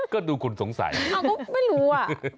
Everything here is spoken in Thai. ก็ดูคุณสงสัยเอาก็ไม่รู้อ่ะ